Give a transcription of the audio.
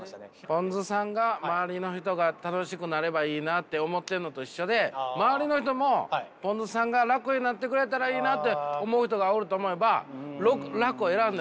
ぽんづさんが周りの人が楽しくなればいいなって思ってるのと一緒で周りの人もぽんづさんが楽になってくれたらいいなって思う人がおると思えば楽を選んでもいいんですよ。